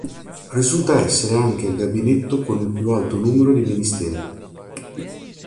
Risulta essere anche il gabinetto con il più alto numero di ministeri.